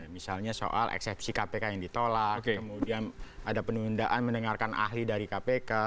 misalnya soal eksepsi kpk yang ditolak kemudian ada penundaan mendengarkan ahli dari kpk